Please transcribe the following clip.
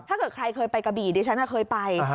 ถ้าเกิดใครเคยไปกะบี่ดิฉันเคยไป